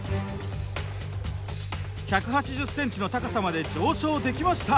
１８０ｃｍの高さまで上昇できました。